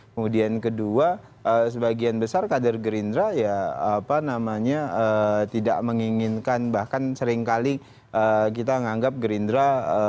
kemudian kedua sebagian besar kader gerindra ya apa namanya tidak menginginkan bahkan seringkali kita menganggap gerindra